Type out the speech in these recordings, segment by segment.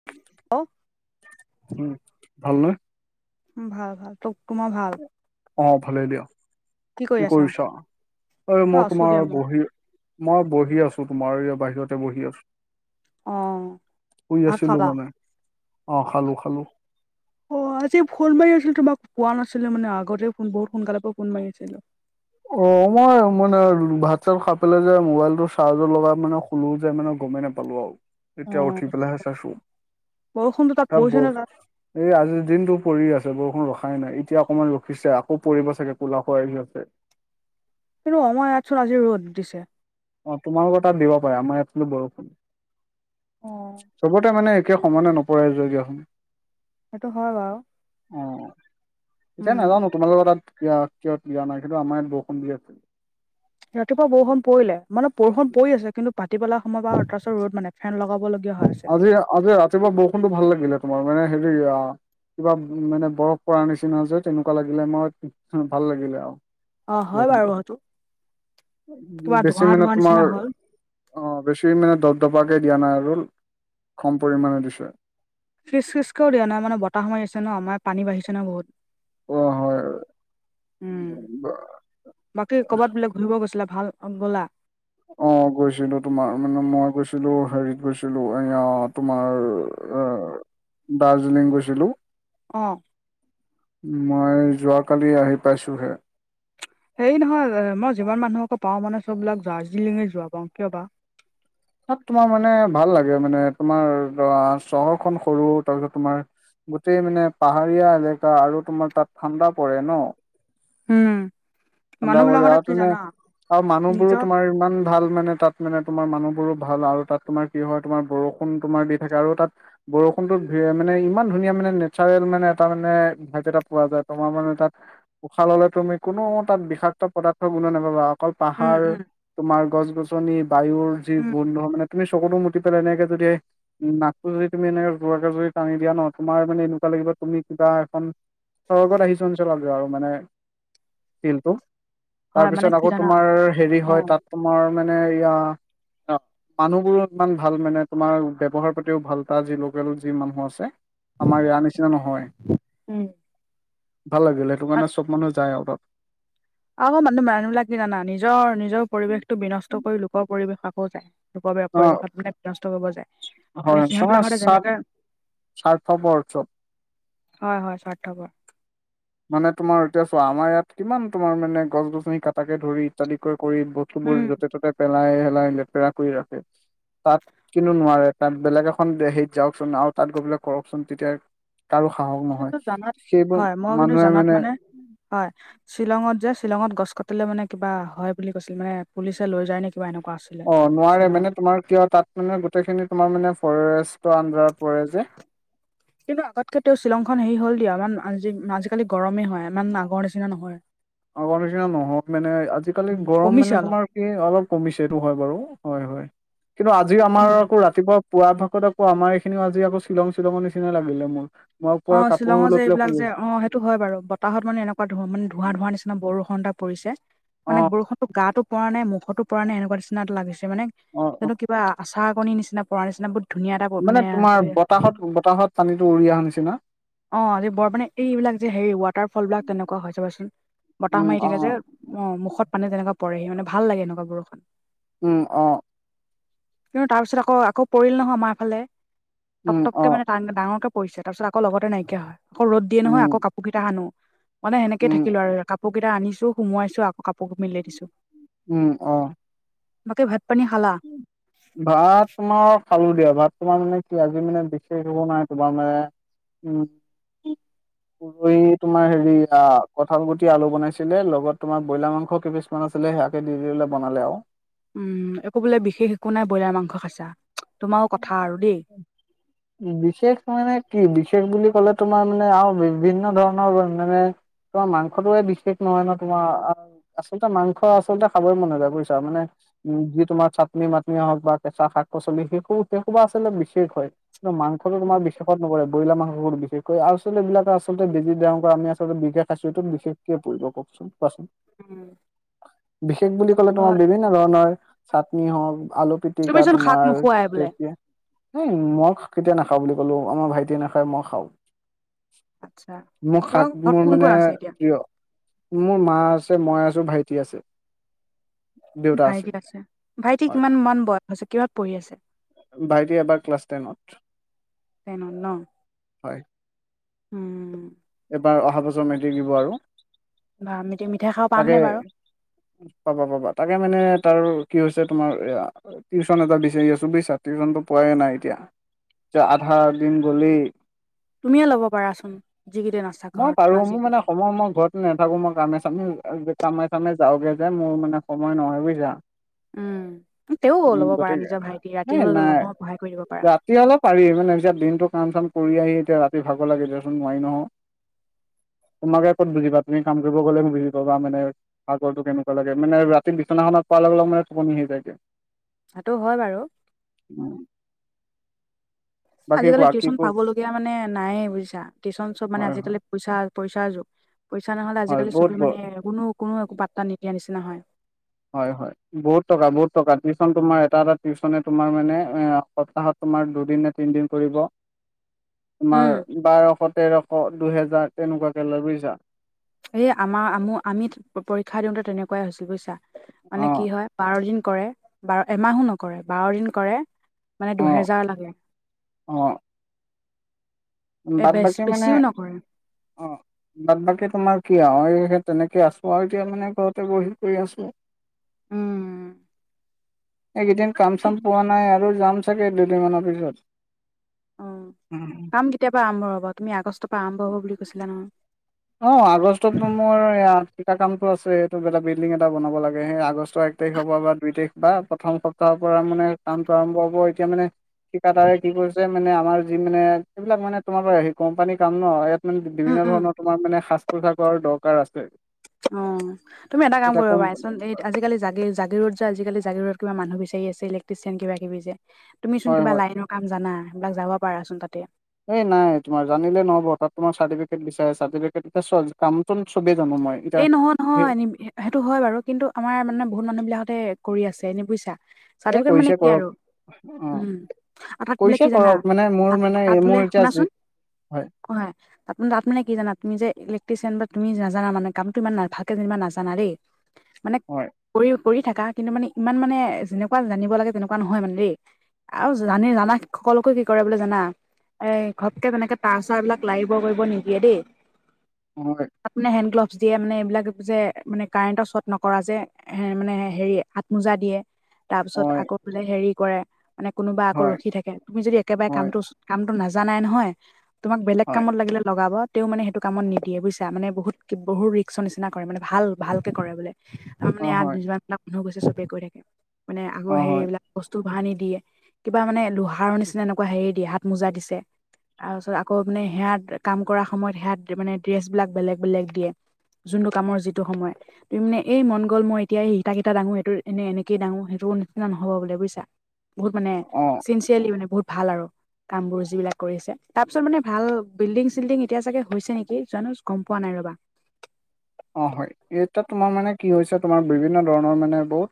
[inaudible] উম ভাল নহয়? উম ভাল ভাল তোক তোমাৰ ভাল? অ ভালেই দিয়া। কৰি কি আছা কৰিছা? এই অ মই আছো দিয়া তোমাৰ মই বহী মই বহি আছো তোমাৰ এয়া বাহিৰতে বহি আছো। অ শুই ভাত আছিলো খালা মানে, অ খালো খালো। অ আজি ফোন মাৰি আছিলো তোমাক পোৱা নাছিলো মানে, আগতে ফোন বহুত সোনকালে পৰা ফোন মাৰিছিলো। অ মই মানে ভাত-চাত খাই পেলাই যে মোবাইলটো চাৰ্জত লগাই মানে শুলো যে মানে গমেই নাপালোঁ আৰু। অ এতিয়া উঠি পেলাই হে চাইছো। বৰষুণতো তাত পৰিছে নে তাত [unintelligible] এই আজিৰ দিনটো পৰি আছে বৰষুণ ৰখাই নাই, এতিয়া অকণমান ৰখিছে আকৌ পৰিব চাগে কোলা কৰি আহি আছে। কিন্তু আমাৰ ইয়াতচোন আজি ৰ'দ দিছে। অ তোমালোকৰ তাত দিব পাৰে আমাৰ ইয়াতো বৰষুণ। অ চবতে মানে তে সমানে নপৰেই [unintelligible] সেইটো হয় বাৰু। অ এতিয়া উম নাজানো তোমালোকৰ তাত কিয় দিয়া নাই কিন্তু আমাৰ ইয়াত বৰষুণ আছে। ৰাতিপুৱা বৰষুণ পৰিলে, মানে বৰষুণ পৰি আছে কিন্তু পাতি পেলা সময় বা তাৰপাছত ৰ'দ মানে ফেন লগাব লগীয়া হয়। আজি আজি ৰাতিপুৱা বৰষুণটো ভাল লাগিলে তোমাৰ মানে হেৰি কিবা মানে বৰফ পৰা নিচিনা যে তেনেকুৱা লাগিলে মোৰ ভাল লাগিলে আৰু অ হয় বাৰু বৰষুটো। সেইটো কিবা বেছি ধোঁৱা মানে ধোঁৱা নিচিনা তোমাৰ হ'ল অ বেছি মানে দপ দপাকে দিয়া নাই আৰু কম পৰিমণে দিছে। ফিচ ফিচকেও দিয়া নাই মানে বতাহ মাৰিছে ন আমাৰ পানী বাঢ়িছে ন বহুত অ হয়। উম বাকী কৰ'বাত বোলে ঘূৰিব গৈছিলে ভাল গ'লা? অ গৈছিলো তোমাৰ মানে মই গৈছিলো হেৰিত গৈছিলো এয়া তোমাৰ অ দাৰ্জিলিং গৈছিলোঁ। অ। মই যোৱাকালি আহি পাইছোহে। হেৰি নহয় মই যিমান মানুহ আকৌ পাওঁ মানে চববিলাক দাৰ্জিলিঙে যোৱা পাওঁ কিয় বা? তাত তোমাৰ মানে ভাল লাগে মানে তোমাৰ ধৰা চহৰখন সৰু তাৰপিছত তোমাৰ গোটেই মানে পাহাৰীয়া এলেকা আৰু তোমাৰ তাত ঠাণ্ডা পৰে ন। ঠাণ্ডা মানুহ পৰে বিলাকতে আৰু কি তেনে জানা আৰু মানুহবোৰো নিজৰ তোমাৰ ইমান ভাল মানে তাত মানে তোমাৰ মানুহবোৰো ভাল আৰু তাত তোমাৰ কি হয় তোমাৰ বৰষুণ তোমাৰ দি থাকে আৰু তাত বৰষুণটোত মানে ইমান ধুনীয়া মানে নেচাৰেল মানে এটা মানে ভাইট এটা পোৱা যায় তোমাৰ মানে তাত উশাহ ললে তুমি কোনো তাত বিষাক্ত পদাৰ্থৰ গুণ নাপাবা, অকল উম পাহাৰ, উম তোমাৰ গছ-গছনি বায়ুৰ যি উম গুধ নহয় মানে তুমি [unintelligible] মুতি পেলাই এনেকে যদি উ নাকটো যদি তুমি এনেকে যাকে যৰি টানি দিয়া ন তোমাৰানে এনেকুৱা লাগিব তুমি কিবা এখন চৰগত আহিছ [unintelligible] আৰু মানে ফিলটো হয় মানে তাৰপিছত কি আকৌ জানা তোমাৰ হেৰি অ হয় তাত তোমাৰ মানে এয়া মানুহবোৰো ইমান ভাল মানে তোমাৰ ব্যৱহাৰ প্ৰতিাতিও ভাল তাৰ যি লোকেল যি মানুহ আছে। আমাৰ ইয়াৰ নিচিনা নহয়, উম ভাল লাগিলে। সেইটো কাৰণে, চব মানুহ যায় আৰু তাত। আকৌ, মানুহ-মানুহ বিলাক কি জানা! নিজৰ, নিজৰ পৰিৱেশটো বিনষ্ট কৰি, লোকৰ পৰিৱেশ, আকৌ যায়। লোক অ পৰিৱেশত মানে, বিনষ্ট কৰিব যায়। মানে হয়, সিহঁত তোমাৰ বিলাকতে স্বাৰ্থ, যেনেকে স্বাৰ্থপৰ চব। হয়, হয়! স্বাৰ্থপৰ। মানে, তোমাৰ এতিয়া চোৱা? আমাৰ ইয়াত, কিমান তোমাৰ মানে, গছ-গছনি কাটাকে ধৰি, ইত্যাদিকৈ কৰি বস্তুবোৰ উম য'তে-ত'তে পেলাই-হেলাই লেতেৰা কৰি ৰাখে। তাত, কিনো নোৱাৰে। তাত বেলেগ এখন সেৰিত যাওঁকচোন আৰু তাত, গৈ পেলাই কৰকচোন। তেতিয়া, কাৰো সাহস নহয়। কিন্তু জানাত সেইবোৰ, হয় মই কিন্তু মানুহে জানাত মানে মানে হয়! শ্বিলঙত যে, শ্বিলঙত গছ কাটিলে মানে, কিবা হয় বুলি কৈছিল, মানে, পুলিচে লৈ যায়নে, কিবা এনেকুৱা আছিল। অ'! নোৱাৰে মানে, তোমাৰ কি হয়, তাত মানে, গোটেইখিনি তোমাৰ মানে, ফৰেষ্টৰ আন্দাৰত পৰে যে। [inaudible] কিন্তু, আগতকে তেওঁ, শ্বিলংখন সেৰি হ'ল দিয়া। ইমান, আজি-আজিকালি গৰমেই হয়, ইমান আগৰ নিচিনা নহয়। আগৰ নিচিনা নহয় মানে, আজিকালি উম গৰম কমিছে মানে, অলপ তোমাৰ অলপ কমিছে, এইটো হয় বাৰু। হয়, হয়! কিন্তু, আজি আমাৰ উম, আকৌ, ৰাতিপুৱা পুৱা ভাগত আকৌ, আমাৰ এইখিনিও আজি, আকৌ, শ্বিলং-শ্বিলঙৰ নিচিনা লাগিলে, মোৰ। মই অ পূৰা কাপোৰ শ্বিলঙৰ যে লৈ পেলাই, এইবিলাক শুই যে আ অ সেইটো হয় বাৰু। বতাহত মানে, এনেকুৱা ধোঁ মানে, ধোঁৱা-ধোঁৱা নিচিনা বৰষুণ এটা পৰিছে। অ মানে, বৰষুণটো গাটো পৰা নাই, মুখতো পৰা নাই। এনেকুৱা, নিচিনা এটা লাগিছে। মানে, অ অ এইটো কিবা আছে। [unintelligible] নিচিনা পৰা নিচিনা বহুত ধুনীয়া এটা ব- মানে তোমাৰ, বতাহত-বতাহত পানীটো উৰি অহা নিচিনা। অ'! আজি বৰ মানে, এইবিলাক যে, সেৰি, ৱাটাৰ ফল বিলাক তেনেকুৱা হয়, চাবচোন? বতাহ উম মাৰি অ থাকে যে। অ'! মুখত পানী তেনেকুৱা পৰেহি। মানে, ভাল লাগে এনেকুৱা বৰষুণ। উম, অ'! কিন্তু, তাৰপিছত আকৌ, আকৌ পৰিল নহয় আমাৰ ফালে। উম অ পটককে মানে, ডাঙ-ডাঙৰকে পৰিছে। তাৰ পিছত, আকৌ লগতে নাইকিয়া হয়। আকৌ ৰ'দ দিয়ে নহয়, উম আকৌ কাপোৰ কেইটা আনোঁ। মানে, সেনেকে উম থাকিলোঁ আৰু। কাপোৰ কেইটা আনিছোঁ, সোমোৱাইছোঁ। আকৌ, কাপোৰ বোৰ মেলি দিছোঁ। উম, অ'! বাকী ভাত-পানী খালা? ভাত, তোমাৰ খালোঁ দিয়া। ভাত তোমাৰ মানে, কি আজি মানে, বিশেষ একো নাই, তোমাৰ মানে। উম। [unintelligible] উৰহি তোমাৰ, সেৰি আঁ কঁঠাল গুটি, আলু বনাইছিলে, লগত তোমাৰ, ব্ৰইলাৰ মাংস কেইপিচ মান আছিলে, সেয়াকে দি দিলে, বনালে আৰু। উম, একো বোলে, বিশেষ একো নাই। ব্ৰইলাৰ মাংস খাইছা? তোমাৰো কথা আৰু [inaudible] [inaudible] বিশেষ মানে কি, বিশেষ বুলি ক'লে তোমাৰ মানে, আৰু বিভিন্ন ধৰণৰ মানে, তোমাৰ, মাংসটোৱে বিশেষ নহয়, নহয়, তোমাৰ। আচলতে মাংস, আচলতে খাবই মন নযায়। বুজিছা? মানে, উম, যি তোমাৰ, চাটনি-মাটনি হওঁক বা কেঁচা শাক-পাচলি [unintelligible] আছিলে, বিশেষ হয়। কিন্তু, মাংসটো তোমাৰ, বিশেষত নপৰে। ব্ৰইলাৰ মাংবোৰ বিশষকৈ, আচলতে এইবিলাক আচলতে, [unintelligible] আমি আচলতে, বিষ খাইছোঁ। এইটো বিশেষকৈ পৰিব কওঁকচোন? কোৱাচোন? উম। বিশেষ বুলি ক'লে তোমাৰ বিভিন্ন ধৰণৰ চাটনি হওক আলু পিতিকা তুমিচোন শাক তোমাৰ। নোখোৱাই বোলে [inaudible] মই কেতিয়া নাখাওঁ বুলি কলো আমাৰ ভাইটিয়ে নাখায় মই খাওঁ। আচ্ছা মোৰ তোমাৰ শাক ঘৰত বোৰ কোন কোন মানে আছে এতিয়া প্ৰিয়। মোৰ মা আছে মই আছো ভাইটি আছে। ভাইটি আছে ভাইটি হয় কিমান মন বয়স হৈছে কিহত পঢ়ি আছে। ভাইটি এবাৰ ক্লাছ টেনত টেনত ন হয়। উম। এবাৰ অহাবছৰ মেট্ৰিক দিব আৰু। বা মেতি মিঠাই খাব পাম তাকে নে বাৰু। পাবা পাবা তাকে মানে তাৰ কি হৈছে তোমাৰ এয়া। টিশ্যনটোএটা বিচাৰি আছো বুজিছা টিশ্যনটো পোৱাই নাই এতিয়া। যে আধা দিন গলেই। তুমিয়ে ল'ব পাৰাচোন যিকেইদিন আছা চ ঘৰত পাৰো বা মোৰ যি। মানে অ মই মই ঘৰত নাথাকো মই কামে চামে। যে কামে চামে যাওগে যে মোৰ মানে সময় নহয় বুজিছা। উম তেও উম ল'ব পাৰা গতিকে নিজৰ ভাইটি ৰাতি হে হ'লেও নাই লহওঁ সহায় কৰি দিব পাৰা যা। তিয়াহ'লে পাৰি মানে এতিয়া দিনতটো কাম চাম কৰি আহি এতিয়া ৰাতি ভাগৰ লাগি দেচোন নোৱাৰি নহ। তোমালোকে কত বুজা তুমি কাম কৰিব গলে বুজি। বা মানে ভাগৰটো কেনেকুৱা লাগে মানে ৰাতি বিচনাখনত পোৱাৰ লগে মানে টোপনি আহি যায়। সেইটো হয় বাৰু। উম। বাকী আজিকালি কোৱা কি টিউশচন ক পাবলগীয়া মানে নায়ে বুজিছা টিউশন চব মানে হয় আজিকালি। হয় পইচা পইচাৰ যুগ পইচা নহলে হয় আজিকালি বহুত চবে ব মানে কোনো কোনো একো পাত্তা নিদিয়া নিচিনা হয়। হয় হয় বহুত টকা বহুত টকা টিউশচন তোমাৰ এটা এটা টিউচনে তোমাৰ মানে এ সপ্তাহত। তোমাৰ দুদিন নে তিনদিন কৰিব। [unintelligible] তোমাৰ উম বাৰশ তেৰশ দুহেজাৰ তেনেকুৱাকে লৈ বুজিছা। এই আমাৰ আমূ আমি পৰীক্ষা দিওঁতে তেনেকুৱাই হৈছিল বুজিছা। মানে অ কি হয় বাৰ দিন কৰে বাৰ এমাহো নকৰে বাৰ দিন কৰে। মানে অ দুহেজাৰ লাগে। উম এ বাদ বেছ বাকী মানে বেছিও নকৰে অ। বাদ বাকী তোমাৰ কি আৰু সেই তেনেকে আছো আৰু এতিয়া মানে ঘৰতে বহি কৰি আছো। উম। এইকেইদিন কাম এহ, চাম পোৱা নাই আৰু যাম চাগে দুদিনমানৰ পিছত। উম। তিয়াৰ পৰা আৰম্ভ হ'ব তুমি আগষ্ট পৰা আৰম্ভ হ'ব বুলি কৈছিলা নহয়। অ', আগষ্টত মোৰ ইয়াত ঠিকা কামটো আছে এইটো বেলেগ বিল্ডিং এটা বনাব লাগে সেই আগষ্ট এক। এক তাৰিখ হব বা দুই তাৰিখ বা প্ৰথম সপ্তাহৰ পৰা মানে কামটো আৰম্ভ হব এতিয়া মানে। ঠিকাদাৰে কি কৰিছে মানে আমাৰ যি মানে, এইবিলাক মানে তোমাৰ হেৰি কোম্পানীৰ কাম ন ইয়াত। মানে উম, বিভিন্ন উম, ধৰণৰ তোমাৰ মানে সাজ-পোছাকৰ দৰকাৰ আছে। অ', তুমি এটা কাম এতিয়া কৰিব কম পাৰাচোন এই আজিকালি জাগি-জাগিৰোড। [inaudible] আজিকালি জাগিৰোডত কিবা মানুহ বিচাৰি আছে‌ ইলেকট্ৰিচিয়ান কিবা কিবি যে তুমিচোন হয় কিবা হয় লাইনৰ। কাম জানা‌ সেইবিলাক যাব পাৰাচোন তাতে। এই নাই তোমাৰ জানিলে নহ'ব তাত তোমাৰ চাৰ্টিফিকেট বিচাৰে চাৰ্টিফিকেট এতিয়া চোৱা কামটোন চবেই জানো মই। এতিয়া এই নহয়, সেই নহয়, নিবিহে। সেইটো হয় বাৰু। কিন্তু আমাৰ মানে বহুত মানুহ বিলাকহতে কৰি আছে এনে বুইছা। এ চাৰ্টিফিকেট মানে কৰিছে কি কৰক আৰু অ উম। আৰু তাত বোলে কৰিছে কি জানা, কৰক মানে মোৰ তাত, মানে তাত বোলে মোৰ এতিয়া যি শুনাচোন হয় একো নাই। তাত মানে, তাত মানে কি জানা তুমি যে ইলেক্ট্ৰিচিয়ান বা তুমি নাজানা মানে কামটো ইমান না ভালকে যেনিবা নাজানা দেই, মানে হয় কৰি উ- কৰি থাকা। কিন্তু ইমান মানে যেনেকুৱা জানিব লাগে তেনেকুৱা নহয় মানে দেই। আৰু জানি জানা সকলোকো কি কৰে বোলে জানা! এই ঘপকে তেনেকে তাঁৰ-ছাঁৰ বিলাক লাৰিব কৰিব নিদিয়ে দেই। হয়। তাত মানে হেণ্ড গ্লোভ দিয়ে মানে। এইবিলাক যে মানে কাৰেণ্টৰ চৰ্ত নকৰা যে মানে হেৰি হাতমোজা দিয়ে। তাৰ পিছত হয়, আকৌ বোলে হেৰি কৰে। মানে কোনোবা আকৌ হয়, ৰখি থাকে। তুমি যদি একেবাৰে হয়, কামটো কামটো নাজানাই নহয় তোমাক বেলেগ হয়, কামত লাগিলে লগাব। তেও মানে সেইটো কামত নিদিয়ে বুইছা। মানে বহুত বহুত ৰিক্সৰ নিচিনা কৰে মানে ভাল, ভালকে কৰে বোলে। তাৰমানে অ', ইয়াত হয়, যিমান বিলাক মানুহ গৈছে চবে কৰি থাকে। মানে আগৰ অ', সেই হয়, এইবিলাক বস্তু লোহা আনি দিয়ে। কিবা মানে লোহাৰ নিচিনা এনেকুৱা হেৰি দিয়ে, হাত মোজা দিছে। তাৰপিছত আকৌ মানে সেয়া কাম কৰা সময়ত সেয়া মানে ড্ৰেছ বিলাক বেলেগ, বেলেগ দিয়ে। যোনটো কামৰ যিটো সময়। তুমি মানে এই মন গ'ল মই এতিয়া ইটা কেইটা দাংও, সেইটো এনে এনেকৈ দাংও সেইটো নিচনা নহ'ব বোলে বুইছা। বহুত মানে অ', চিনচিয়াৰলি, মানে বহুত ভাল আৰু। কামবোৰ যিবিলাক কৰিছে। তাৰপিছত মানে ভাল বিল্ডিং, চিল্ডিং এতিয়া চাগে হৈছে নেকি জানো! গম পোৱা নাই ৰবা। অ', হয়। এতিয়া তোমাৰ মানে কি হৈছে তোমাৰ বিভিন্ন ধৰণৰ মানে বহুত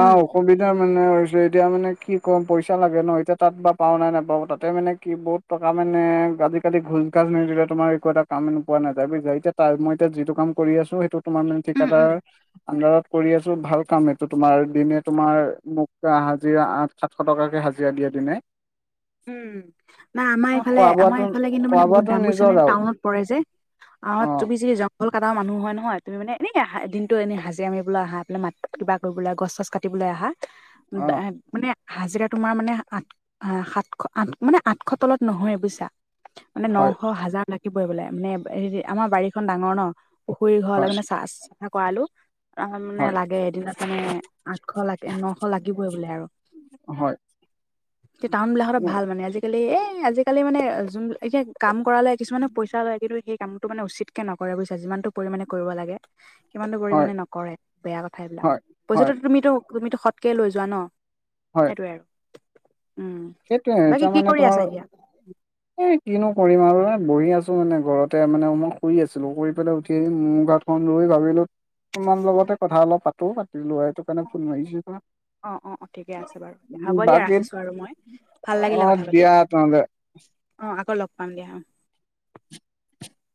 উম সুবিধাৰ মানে হৈছে, এতিয়া মানে কি ক'ম? পইচা লাগে ন! এতিয়া তাত বা পাওঁ নে নাপাওঁ? তাতে মানে কি বৰ্ড টকা মানে আজিকালি ঘোছ-ঘাছ নিদিলে তোমাৰ একো এটা কাম নোপোৱা নাযায় বুইছা! এতিয়া তাৰ মই এতিয়া যিটো কাম কৰি আছো সেইটো তোমাৰ মানে উম উম ঠিকাদাৰ আণ্ডাৰত কৰি আছো। ভাল কাম এইটো তোমাৰ দিনে তোমাৰ মোক হাজিৰা আঠ সাতশ টকাকে হাজিৰা দিয়ে দিনে। [inaudible] উম। নাই আমাৰ আহ, এইফালে, খোৱা আমাৰ বোৱাটো এইফালে কিন্তু খোৱা মানে বহুত বোৱাটো দাম নিজৰ বুইচনে! আৰু টাউনত পৰে যে। অ', [unintelligible] কলকাতাৰ মানুহ হয় নহয়, তুমি মানে এনেকে দিনটো এনেই হাজিৰা মাৰিবলৈ আহা এফালে মাত কিবা কৰিবলে, গছ-ছচ কাট কাটিবলে আহা, বা অ'। মানে হাজিৰা তোমাৰ মানে আঠ সাত আঠ মানে আঠশ তলত নহয় বুইছা। মানে হয়, নশ হাজাৰ লৈকে লাগিবই বোলে। মানে হেৰি আমাৰ বাৰীখন ডাঙৰ ন, পুখুৰীৰ ঘৰলে হয়, মানে চা চাফা কৰালো আমাৰ মানে হয়, লাগে এদিনত মানে আঠশ লাগে নশ লাগিবই বোলে আৰু হয়, কি টাউন বিলাকতে উ ভাল মানে আজিকালি এ আজিকালি মানে যোন এতিয়া কাম কৰালে কিছুমানে পইচা লয় কিন্তু সেই কামটো মানে উচিতকে নকৰে বুজিছ যিমানটো পৰিমাণে কৰিব লাগে। সিমানটো হয়, পৰিমাণে নকৰে বেয়া কথা এইবিলাক হয়, পইচাটো হয়, তুমিটো তুমিটো সৎকে লৈ যোৱা ন হয়, সেইটোৱে আৰু, উম, সেইটোয়ে বাকী কি তাৰমানে কৰি আছা তোমাৰ এতিয়া? এ কিনো কৰিম আৰু এ বহি আছো মানে ঘৰতে মানে মই শুই আছিলো শু পেলাই উঠি আহি মোৰ গাটো ফোন লৈ ভাবিলো তোমাৰ লগতে কথা অলপ পাতো পাতিলো এইটোক সেইকাৰণে ফোন মাৰিছো। অ অ অ ঠিকে আছে বাৰু হ'ব দিয়া বাকী ৰাখিছো আৰু মই ভাল লাগিলে অ' কথা পাতি, দিয়া তেনেহ'লে অ আকৌ লগ পাম দিয়া অ।